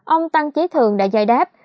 ông tăng chí thường đã giải đáp